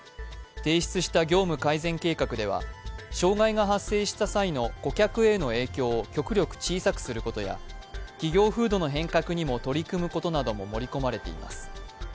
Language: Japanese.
提出した業務改善計画では障害が発生した際の顧客への影響を極力小さくすることや、企業風土の変革にも取り組むことなども盛り込まれています。